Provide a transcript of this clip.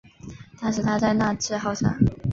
当时他在那智号上。